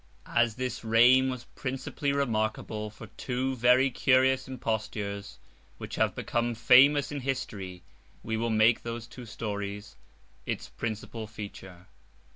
As this reign was principally remarkable for two very curious impostures which have become famous in history, we will make those two stories its principal feature.